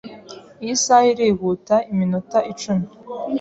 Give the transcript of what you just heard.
Iyi saha irihuta iminota icumi.